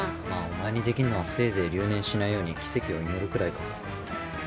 まあお前にできんのはせいぜい留年しないように奇跡を祈るくらいか。